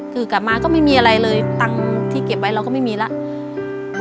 คือกลับมาก็ไม่มีอะไรเลยตังค์ที่เก็บไว้เราก็ไม่มีแล้ว